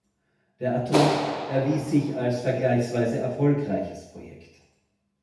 Der Atom erwies sich als vergleichsweise erfolgreiches Projekt.